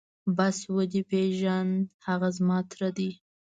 بس ودې پېژاند هغه زما تره دى.